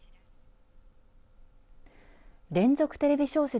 連続テレビ小説